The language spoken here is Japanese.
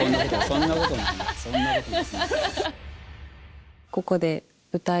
そんなこと別に。